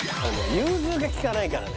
融通が利かないからね